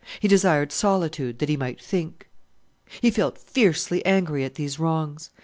He desired solitude that he might think. He felt fiercely angry at these wrongs.